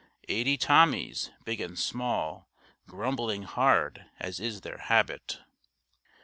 Eighty Tommies, big and small, Grumbling hard as is their habit.